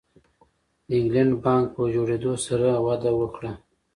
د انګلینډ بانک په جوړېدو سره وده وکړه.